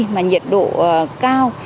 mà nhiệt độ cao